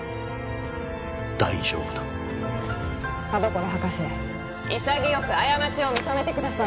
大丈夫だ田所博士いさぎよく過ちを認めてください